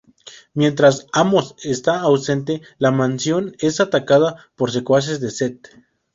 Mientras Amos está ausente, la mansión es atacada por secuaces de Set.